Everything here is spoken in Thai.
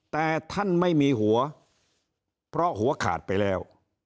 แต่ท่านไม่มีหัวเพราะหัวขาดไปแล้ว